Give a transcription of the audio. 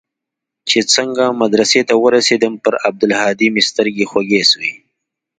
چې څنگه مدرسې ته ورسېدم پر عبدالهادي مې سترګې خوږې سوې.